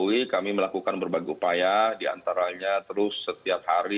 kami melakukan berbagai upaya diantaranya terus setiap hari